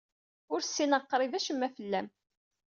Ur ssineɣ qrib acemma fell-am.